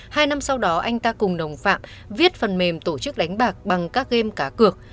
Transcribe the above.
hai năm sau đó anh ta cùng đồng phạm viết phần mềm tổ chức đánh bạc bằng các game cá cược